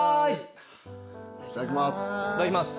いただきます。